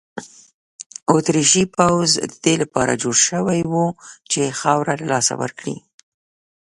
اتریشي پوځ د دې لپاره جوړ شوی وو چې خاوره له لاسه ورکړي.